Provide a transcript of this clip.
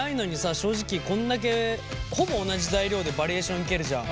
正直こんだけほぼ同じ材料でバリエーションいけるじゃん。